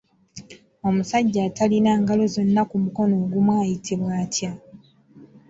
Omusajja atalina ngalo zonna ku mukono ogumu ayitibwa atya?